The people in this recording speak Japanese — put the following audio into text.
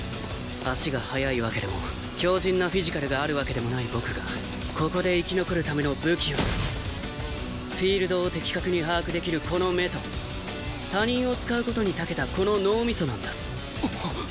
足が速いわけでも強靱なフィジカルがあるわけでもない僕がここで生き残るための武器はフィールドを的確に把握できるこの目と他人を使う事にたけたこの脳みそなんです。